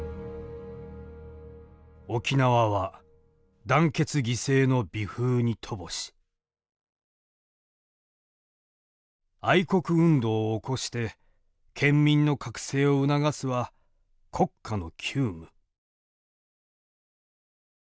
「沖縄は団結犠牲の美風に乏し愛国運動を起こして県民の覚醒を促すは刻下の急務」。